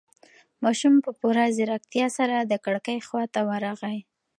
ماشوم په پوره ځيرکتیا سره د کړکۍ خواته ورغی.